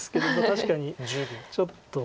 確かにちょっと。